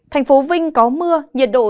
thành phố vinh có mưa nhiệt độ